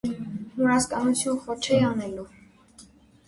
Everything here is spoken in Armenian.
մուրացկանություն խո չէի անելու: